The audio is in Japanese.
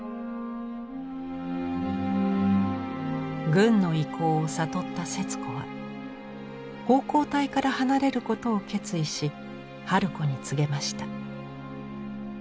軍の意向を悟った節子は奉公隊から離れることを決意し春子に告げました。